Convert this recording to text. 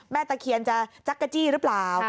แม่ตะเขียนจะจั๊กกะจี้หรือเปล่า